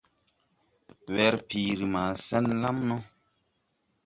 Werpiiri maa sen lam no.